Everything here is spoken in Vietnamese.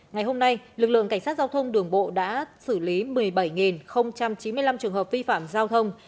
ngày hôm nay lực lượng cảnh sát giao thông đường bộ đã xử lý một mươi bảy chín mươi năm trường hợp vi phạm giao thông